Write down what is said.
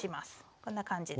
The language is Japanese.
こんな感じで。